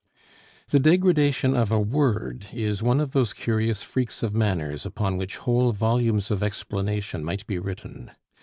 The degradation of a word is one of those curious freaks of manners upon which whole volumes of explanation might be written.